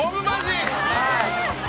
はい。